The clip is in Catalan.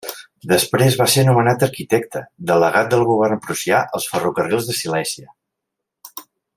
Després va ser nomenat arquitecte, delegat del govern prussià als ferrocarrils de Silèsia.